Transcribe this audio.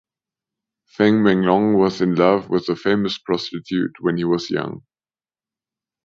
Feng Menglong was in love with a famous prostitute when he was young.